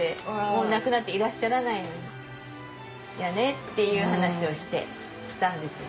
亡くなっていらっしゃらないのに。っていう話をしてきたんです。